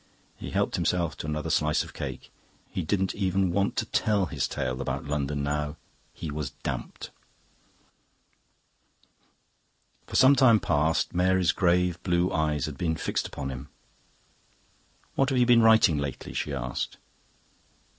He helped himself to another slice of cake. He didn't even want to tell his tale about London now; he was damped. For some time past Mary's grave blue eyes had been fixed upon him. "What have you been writing lately?" she asked.